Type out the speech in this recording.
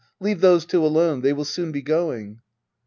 Leave those two alone. They will soon be going.